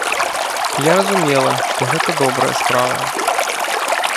Я разумела, што гэта добрая справа.